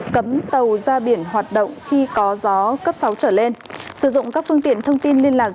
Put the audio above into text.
cấm tàu ra biển hoạt động khi có gió cấp sáu trở lên sử dụng các phương tiện thông tin liên lạc